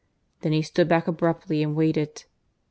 Then he stood back abruptly and waited.